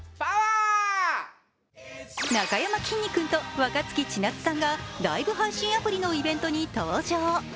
なかやまきんに君と若槻千夏さんがライブ配信アプリのイベントに登場。